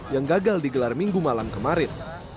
yang gagal digelar minggu malam kemarin